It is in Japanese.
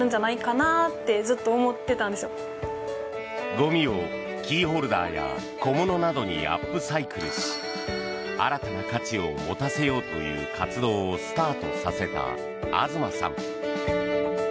ゴミをキーホルダーや小物などにアップサイクルし新たな価値を持たせようという活動をスタートさせた東さん。